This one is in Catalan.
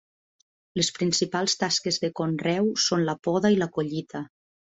Les principals tasques de conreu són la poda i la collita.